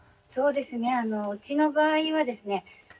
そうですねうちの場合はですね